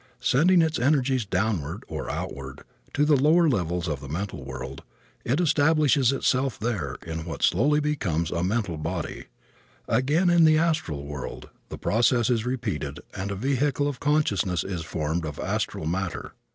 Sending its energies downward, or outward, to the lower levels of the mental world, it establishes itself there in what slowly becomes a mental body. Again in the astral world the process is repeated and a vehicle of consciousness is formed of astral matter.